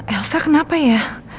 elsa kenapa ya